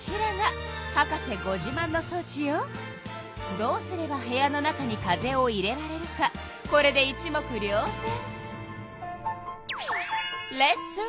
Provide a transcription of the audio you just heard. どうすれば部屋の中に風を入れられるかこれで一目りょうぜん。